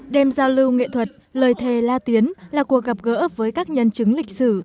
đêm giao lưu nghệ thuật lời thề la tiến là cuộc gặp gỡ với các nhân chứng lịch sử